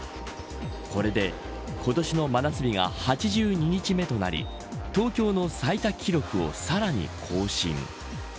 これで今年の真夏日が８２日目となり東京の最多記録をさらに更新。